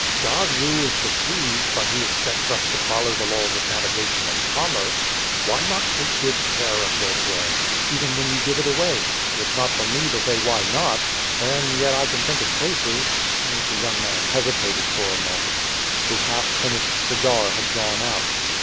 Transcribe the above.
God rules the sea; but He expects us to follow the laws of navigation and commerce. Why not take good care of your bread, even when you give it away?" "It's not for me to say why not and yet I can think of cases " The young man hesitated for a moment. His half finished cigar had gone out.